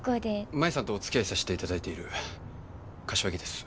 舞さんとおつきあいさしていただいてる柏木です。